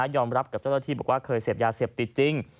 ยอมรับเจ้าต้นทีบอกว่าเคยเสียบยาเสียบติดจริง